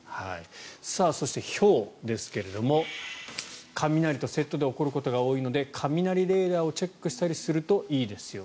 そして、ひょうですが雷とセットで起こることが多いので雷レーダーをチェックしたりするといいですよ。